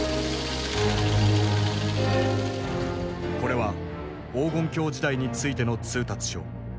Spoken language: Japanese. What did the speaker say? これは「黄金狂時代」についての通達書。